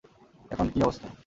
এখন কী অবস্থা?